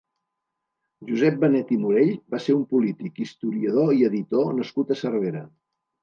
Josep Benet i Morell va ser un polític, historiador i editor nascut a Cervera.